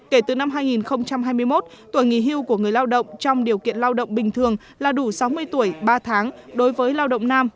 kể từ năm hai nghìn hai mươi một tuổi nghỉ hưu của người lao động trong điều kiện lao động bình thường là đủ sáu mươi tuổi ba tháng đối với lao động nam